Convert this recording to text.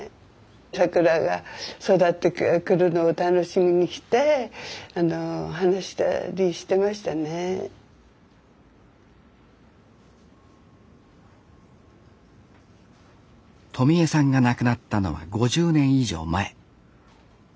桜が育ってくるのを楽しみにして話したりしてましたね。とみえさんが亡くなったのは５０年以上前。